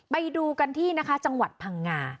ไปดูกันที่นะคะจังหวัดพังงา